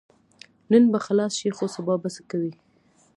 نن به خلاص شې خو سبا به څه کوې؟